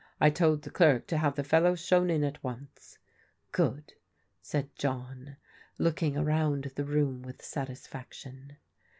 " I told the clerk to have the fdlow shown in at once." " Good," said John, looking around the room with sat isfaction.